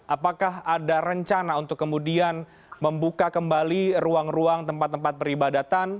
apakah ada rencana untuk kemudian membuka kembali ruang ruang tempat tempat peribadatan